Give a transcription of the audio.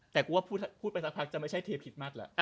แต่กลัวพูดไปสักพักจะไม่ใช่เทพิทมัดแล้ว